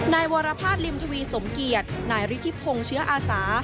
นายวรภาษณริมทวีสมเกียจนายฤทธิพงศ์เชื้ออาสา